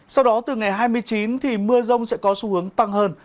sau đó từ ngày hai mươi chín thì mưa rông sẽ có xu hướng tăng hơn